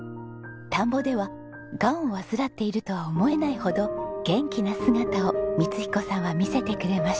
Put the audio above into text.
田んぼではがんを患っているとは思えないほど元気な姿を光彦さんは見せてくれました。